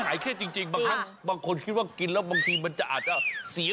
เป้าแดงช่วยคนไทยสร้างอาชีพปี๒